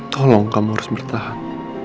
tolong kamu harus bertahan